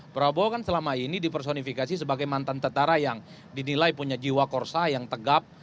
prabowo kan selama ini dipersonifikasi sebagai mantan tentara yang dinilai punya jiwa korsa yang tegap